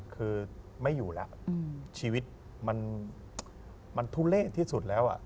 คือไม่อยู่แล้วชีวิตมันทุเล่ที่สุดแล้ว